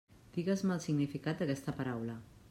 Digues-me el significat d'aquesta paraula.